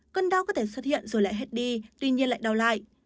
cơn đau có thể xuất hiện rồi lại hết đi tuy nhiên lại đau lại